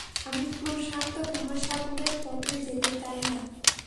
আমি প্রশান্ত মহাসাগরের পথে যেতে চাই না।